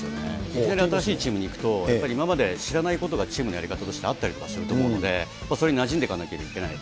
いきなり新しいチームに行くと、やっぱり今まで知らないことがチームのやり方としてあったりすると思うので、それになじんでいかなきゃいけない。